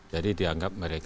jadi dianggap mereka